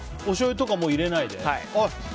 おしょうゆとかも入れないで。